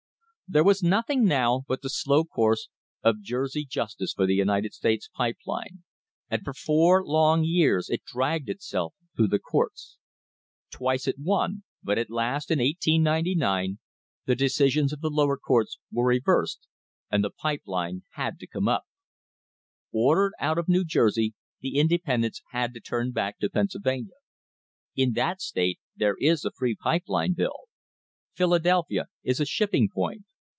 There was nothing now but the slow course of Jersey jus A MODERN WAR FOR INDEPENDENCE tice for the United States Pipe Line, and for four long years it dragged itself through the courts. Twice it won, but at last, in 1899, tne decisions of the lower courts were reversed and the pipe line had to come up. Ordered out of New Jer sey, the independents had to turn back to Pennsylvania. In that state there is a free pipe line bill. Philadelphia is a shipping point.